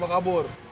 bapak gua anggota